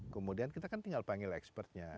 kemudian kita kan tinggal panggil expertnya